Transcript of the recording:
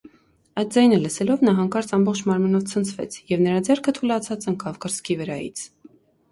Այդ ձայնը լսելով, նա հանկարծ ամբողջ մարմնով ցնցվեց, և նրա ձեռքը թուլացած ընկավ կրծքի վրայից: